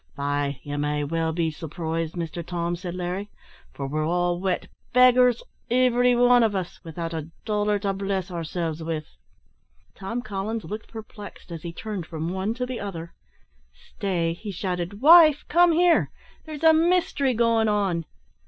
"Faix, ye may well be surprised, Mister Tom," said Larry, "for we're all wet beggars, ivery wan o' us without a dollar to bless ourselves with." Tom Collins looked perplexed, as he turned from one to the other. "Stay," he shouted; "wife, come here. There's a mystery going on.